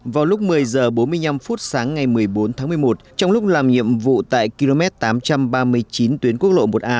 vào lúc một mươi h bốn mươi năm sáng ngày một mươi bốn tháng một mươi một trong lúc làm nhiệm vụ tại km tám trăm ba mươi chín tuyến quốc lộ một a